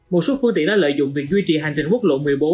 một số phương tiện đã lợi dụng việc duy trì hành trình quốc lộ một mươi bốn